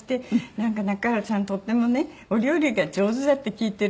なんか中原さんとってもねお料理が上手だって聞いてるけどって。